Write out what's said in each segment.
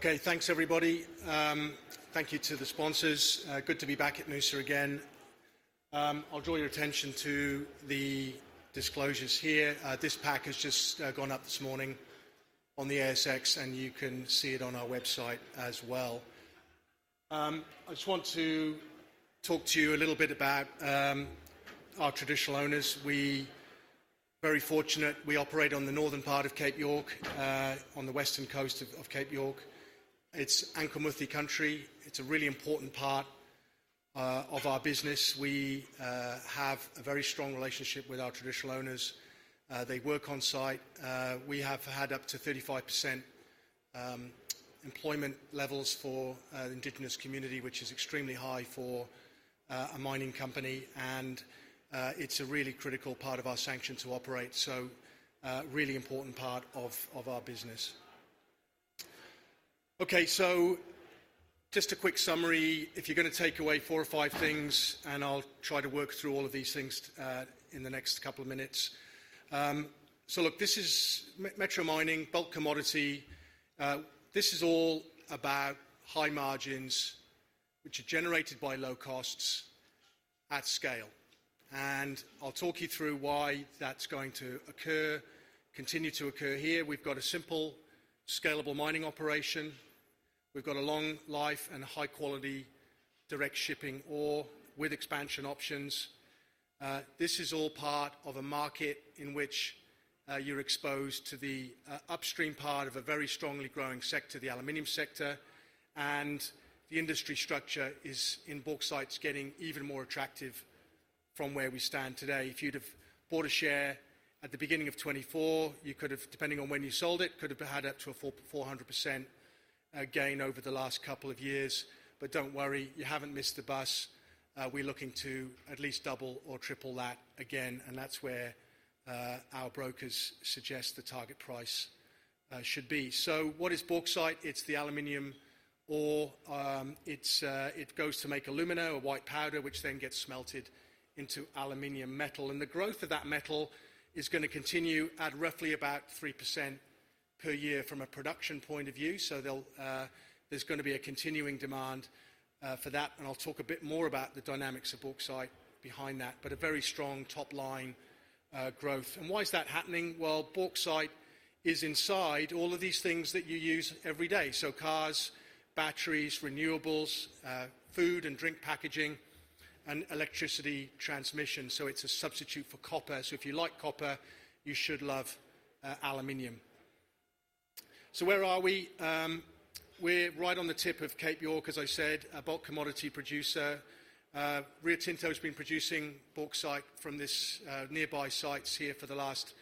Okay, thanks everybody. Thank you to the sponsors. Good to be back at Noosa again. I will draw your attention to the disclosures here. This pack has just gone up this morning on the ASX, and you can see it on our website as well. I just want to talk to you a little bit about our traditional owners. We very fortunate, we operate on the northern part of Cape York, on the western coast of Cape York. It is Ankamuthi country. It is a really important part of our business. We have a very strong relationship with our traditional owners. They work on site. We have had up to 35% employment levels for indigenous community, which is extremely high for a mining company. It is a really critical part of our sanction to operate. Really important part of our business. Okay. Just a quick summary. If you're going to take away four or five things, I'll try to work through all of these things in the next couple of minutes. Look, this is Metro Mining, bulk commodity. This is all about high margins, which are generated by low costs at scale. I'll talk you through why that's going to occur, continue to occur here. We've got a simple, scalable mining operation. We've got a long life and a high-quality direct shipping ore with expansion options. This is all part of a market in which you're exposed to the upstream part of a very strongly growing sector, the aluminium sector. The industry structure is, in bauxite, getting even more attractive from where we stand today. If you'd have bought a share at the beginning of 2024, you could have, depending on when you sold it, could have had up to a 400% gain over the last couple of years. Don't worry, you haven't missed the bus. We're looking to at least double or triple that again, That's where our brokers suggest the target price should be. What is bauxite? It's the aluminium ore. It goes to make alumina, a white powder, which then gets smelted into aluminium metal. The growth of that metal is going to continue at roughly about 3% per year from a production point of view. There's going to be a continuing demand for that. I'll talk a bit more about the dynamics of bauxite behind that, but a very strong top-line growth. Why is that happening? Bauxite is inside all of these things that you use every day. Cars, batteries, renewables, food and drink packaging, and electricity transmission. It's a substitute for copper. If you like copper, you should love aluminium. Where are we? We're right on the tip of Cape York, as I said, a bulk commodity producer. Rio Tinto's been producing bauxite from this nearby sites here for the last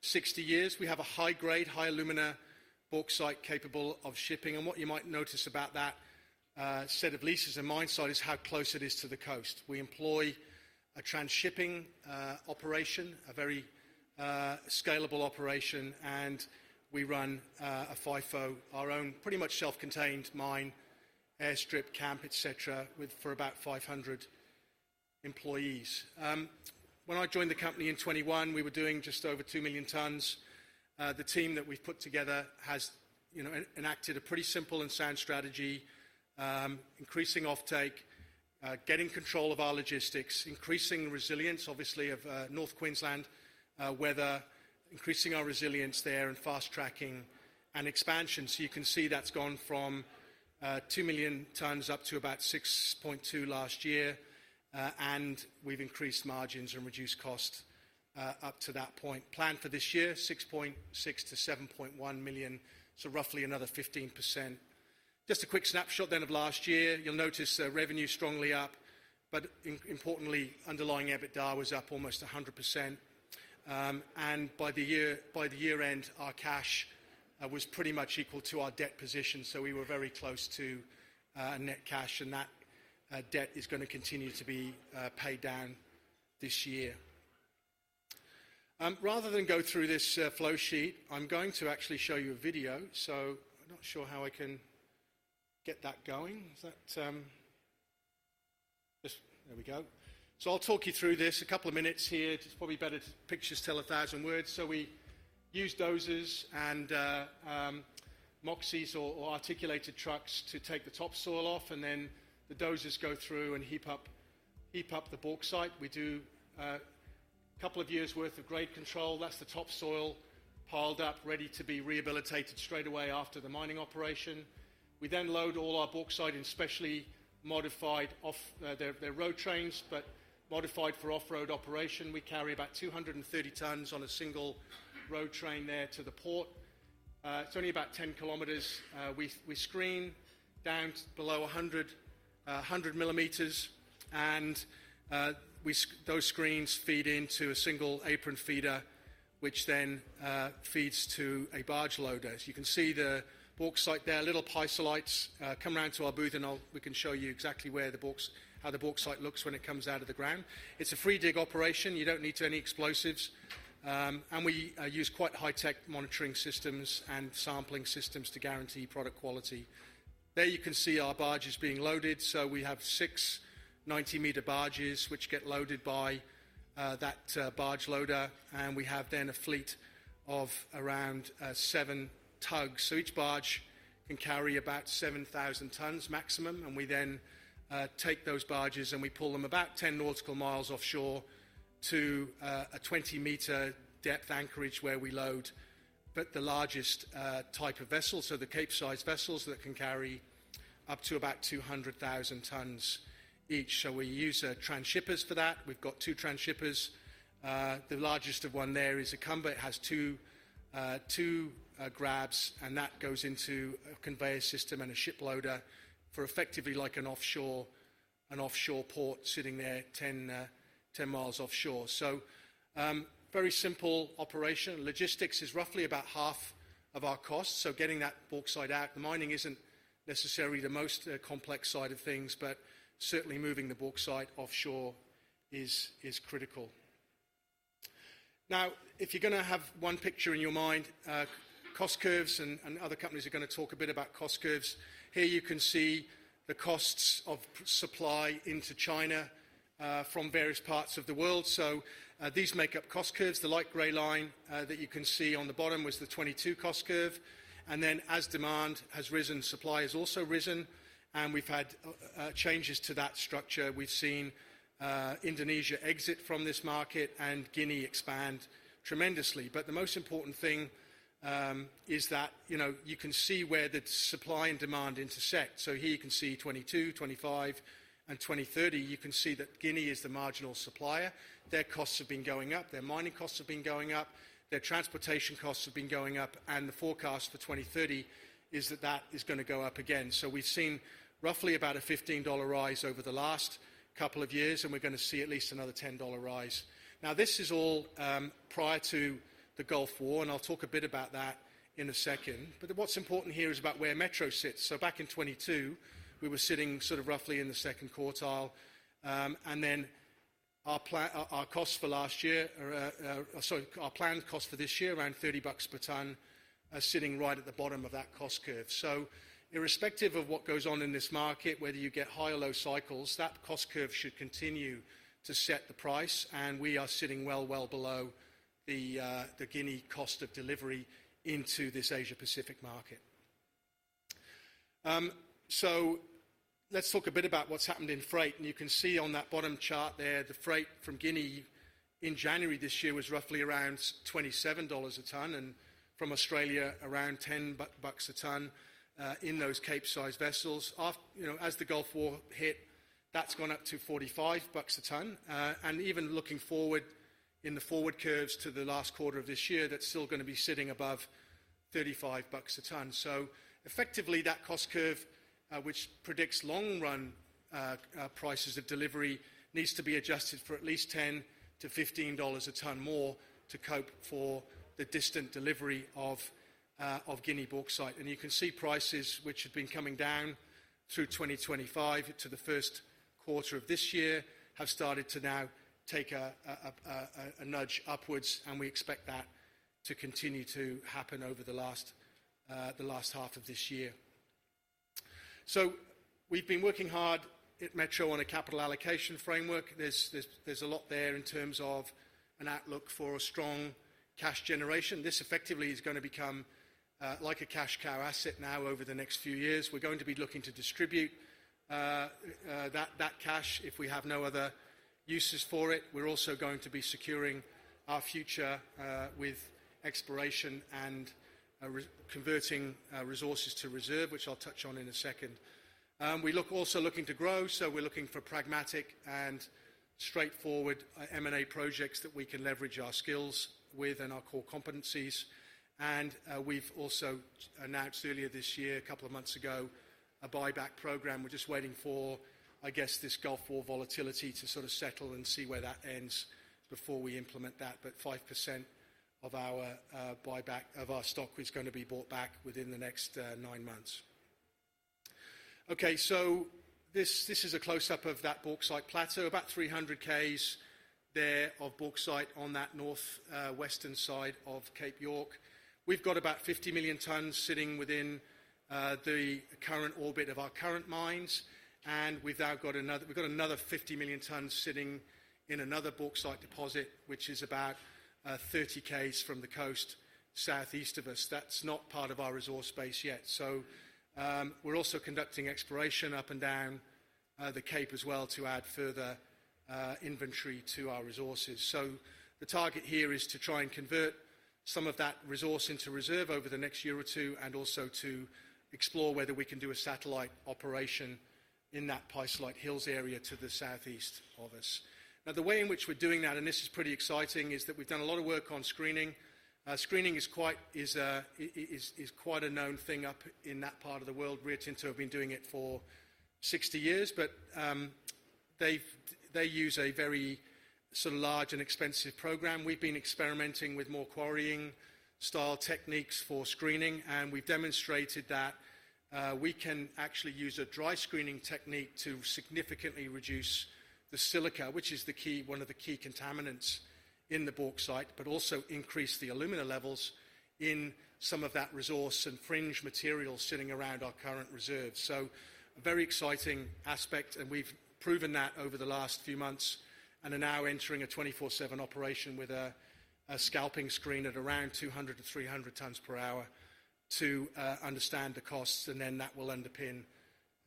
60 years. We have a high-grade, high alumina bauxite capable of shipping. What you might notice about that set of leases and mine site is how close it is to the coast. We employ a transhipping operation, a very scalable operation, and we run a FIFO, our own pretty much self-contained mine, airstrip, camp, et cetera, for about 500 employees. When I joined the company in 2021, we were doing just over 2 million tons. The team that we've put together has enacted a pretty simple and sound strategy, increasing offtake, getting control of our logistics, increasing the resilience, obviously of North Queensland, weather, increasing our resilience there and fast-tracking an expansion. You can see that's gone from 2 million tons up to about 6.2 last year. We've increased margins and reduced cost up to that point. Plan for this year, 6.6 to 7.1 million, so roughly another 15%. Just a quick snapshot then of last year. You'll notice revenue strongly up, but importantly, underlying EBITDA was up almost 100%. By the year-end, our cash was pretty much equal to our debt position, so we were very close to net cash, and that debt is going to continue to be paid down this year. Rather than go through this flow sheet, I'm going to actually show you a video. I'm not sure how I can get that going. Is that? There we go. I'll talk you through this. A couple of minutes here. It's probably better. Pictures tell a thousand words. We use dozers and Moxy or articulated trucks to take the topsoil off, and then the dozers go through and heap up the bauxite. We do a couple of years worth of grade control. That's the topsoil piled up, ready to be rehabilitated straight away after the mining operation. We then load all our bauxite in specially modified. They're road trains, but modified for off-road operation. We carry about 230 tons on a single road train there to the port. It's only about 10km. We screen down below 100mm, and those screens feed into a single apron feeder, which then feeds to a barge loader. You can see the bauxite there, little pisolites. Come round to our booth and we can show you exactly how the bauxite looks when it comes out of the ground. It's a free dig operation. You don't need any explosives. We use quite high-tech monitoring systems and sampling systems to guarantee product quality. There you can see our barges being loaded. We have six 90-meter barges which get loaded by that barge loader. We have then a fleet of around seven tugs. Each barge can carry about 7,000 tons maximum, and we then take those barges and we pull them about 10 nautical miles offshore to a 20m depth anchorage where we load the largest type of vessel. The Capesize vessels that can carry up to about 200,000 tons each. We use transshippers for that. We've got two transshippers. The largest of one there is Ikumba. It has two grabs and that goes into a conveyor system and a ship loader for effectively like an offshore port sitting there 10 miles offshore. Very simple operation. Logistics is roughly about half of our cost. Getting that bauxite out, the mining isn't necessarily the most complex side of things, but certainly moving the bauxite offshore is critical. If you're going to have one picture in your mind, cost curves and other companies are going to talk a bit about cost curves. Here you can see the costs of supply into China from various parts of the world. These make up cost curves. The light gray line that you can see on the bottom was the 2022 cost curve. As demand has risen, supply has also risen, and we've had changes to that structure. We've seen Indonesia exit from this market and Guinea expand tremendously. The most important thing is that you can see where the supply and demand intersect. Here you can see 2022, 2025, and 2030. You can see that Guinea is the marginal supplier. Their costs have been going up, their mining costs have been going up, their transportation costs have been going up, and the forecast for 2030 is that that is going to go up again. We've seen roughly about a 15 dollar rise over the last couple of years, and we're going to see at least another 10 dollar rise. This is all prior to the Gulf of Guinea, and I'll talk a bit about that in a second, but what's important here is about where Metro sits. Back in 2022, we were sitting sort of roughly in the second quartile. Our planned cost for this year, around 30 bucks per ton, sitting right at the bottom of that cost curve. Irrespective of what goes on in this market, whether you get high or low cycles, that cost curve should continue to set the price and we are sitting well below the Guinea cost of delivery into this Asia Pacific market. Let's talk a bit about what's happened in freight, and you can see on that bottom chart there, the freight from Guinea in January this year was roughly around 27 dollars a ton, and from Australia around 10 bucks a ton in those Capesize vessels. As the Gulf of Guinea hit, that's gone up to 45 bucks a ton. Even looking forward in the forward curves to the last quarter of this year that's still going to be sitting above 35 bucks a ton. Effectively that cost curve, which predicts long-run prices of delivery needs to be adjusted for at least 10-15 dollars a ton more to cope for the distant delivery of Guinea bauxite. You can see prices which have been coming down through 2025 to the Q1 of this year have started to now take a nudge upwards, and we expect that to continue to happen over the last half of this year. We've been working hard at Metro on a capital allocation framework. There's a lot there in terms of an outlook for a strong cash generation. This effectively is going to become like a cash cow asset now over the next few years. We're going to be looking to distribute that cash if we have no other uses for it. We're also going to be securing our future with exploration and converting resources to reserve, which I'll touch on in a second. We're also looking to grow, so we're looking for pragmatic and straightforward M&A projects that we can leverage our skills with and our core competencies. We've also announced earlier this year, a couple of months ago, a buyback program. We're just waiting for, I guess, this Gulf of Guinea volatility to sort of settle and see where that ends before we implement that. 5% of our stock is going to be bought back within the next nine months. This is a close-up of that bauxite plateau, about 300Ks there of bauxite on that northwestern side of Cape York. We've got about 50 million tons sitting within the current orbit of our current mines, and we've got another 50 million tons sitting in another bauxite deposit, which is about 30Ks from the coast southeast of us. That's not part of our resource base yet. We're also conducting exploration up and down the Cape York as well to add further inventory to our resources. The target here is to try and convert some of that resource into reserve over the next year or two, and also to explore whether we can do a satellite operation in that Pisolite Hills area to the southeast of us. The way in which we're doing that, and this is pretty exciting, is that we've done a lot of work on screening. Screening is quite a known thing up in that part of the world. Rio Tinto have been doing it for 60 years. They use a very sort of large and expensive program. We've been experimenting with more quarrying style techniques for screening, and we've demonstrated that we can actually use a dry screening technique to significantly reduce the silica, which is one of the key contaminants in the bauxite, but also increase the alumina levels in some of that resource and fringe material sitting around our current reserves. A very exciting aspect, and we've proven that over the last few months, and are now entering a 24/7 operation with a scalping screen at around 200 to 300 tons per hour to understand the costs, and then that will underpin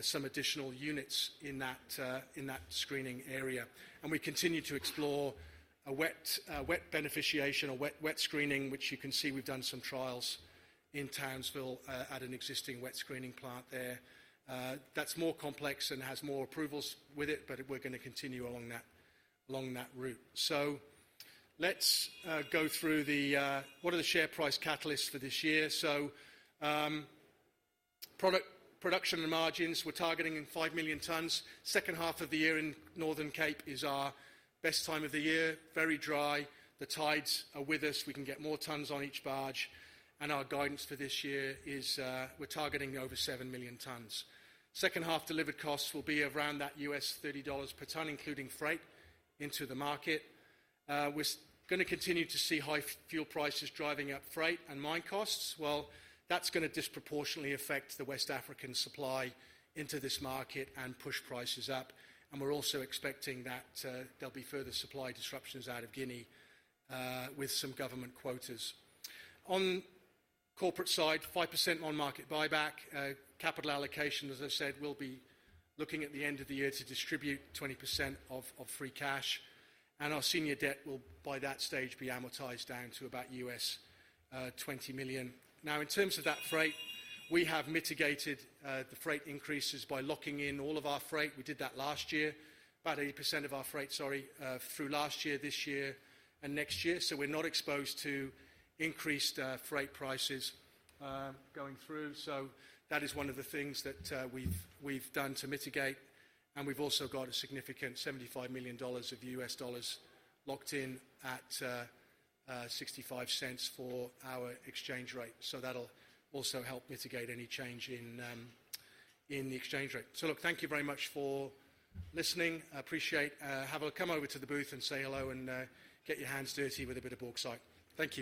some additional units in that screening area. We continue to explore a wet beneficiation or wet screening, which you can see we've done some trials in Townsville at an existing wet screening plant there. That's more complex and has more approvals with it, but we're going to continue along that route. Let's go through what are the share price catalysts for this year. Production and margins, we're targeting in 5 million tons. H2 of the year in Northern Cape is our best time of the year. Very dry. The tides are with us. We can get more tons on each barge. Our guidance for this year is we're targeting over 7 million tons. Second half delivered costs will be around that $30 per ton, including freight into the market. We're going to continue to see high fuel prices driving up freight and mine costs. That's going to disproportionately affect the West African supply into this market and push prices up. We're also expecting that there'll be further supply disruptions out of Guinea with some government quotas. On corporate side, 5% on market buyback. Capital allocation, as I've said, we'll be looking at the end of the year to distribute 20% of free cash. Our senior debt will by that stage be amortized down to about $20 million. In terms of that freight, we have mitigated the freight increases by locking in all of our freight. We did that last year. About 80% of our freight, sorry, through last year, this year and next year. We're not exposed to increased freight prices going through. That is one of the things that we've done to mitigate. We've also got a significant $75 million of US dollars locked in at $0.65 for our exchange rate. That'll also help mitigate any change in the exchange rate. Look, thank you very much for listening. I appreciate. Come over to the booth and say hello and get your hands dirty with a bit of bauxite. Thank you